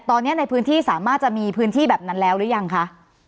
ตอนนี้ในพื้นที่สามารถจะมีพื้นที่แบบนั้นแล้วหรือยังคะ